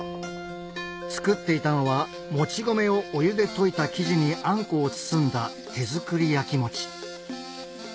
作っていたのはもち米をお湯で溶いた生地にあんこを包んだ手作り焼餅